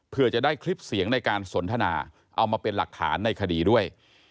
เพื่อจะได้คลิปเสียงในการสนทนาเอามาเป็นหลักฐานในคดีด้วย